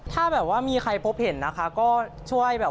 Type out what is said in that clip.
ถ้ามีใครพบเห็นนะคะก็ช่วย